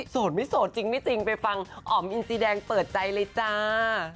สดไม่สดจริงไปฟังออ๋อมอินซีแดงเปิดใจเลยจ้า